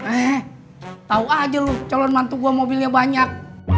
eh tau aja lu calon mantu gue mobilnya banyak